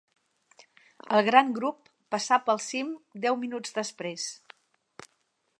El gran grup passà pel cim deu minuts després.